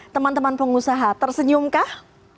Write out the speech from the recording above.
teman teman pengusaha tersenyum kah